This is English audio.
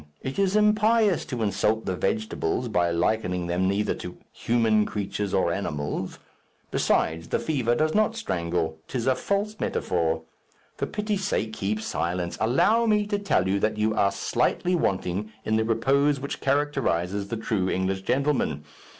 It is impious to insult the vegetables, by likening them either to human creatures or animals. Besides, the fever does not strangle. 'Tis a false metaphor. For pity's sake, keep silence. Allow me to tell you that you are slightly wanting in the repose which characterizes the true English gentleman.